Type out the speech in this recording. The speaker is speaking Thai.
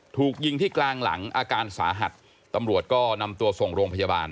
ถูกยิงที่กลางหลังอาการสาหัสตำรวจก็นำตัวส่งโรงพยาบาล